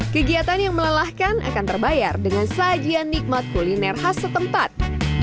kegiatan yang melelahkan akan terbayar dengan sajian nikmat kuliner khas setempat